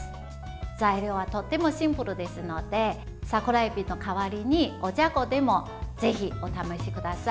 材料はとってもシンプルですので桜えびの代わりに、おじゃこでもぜひお試しください。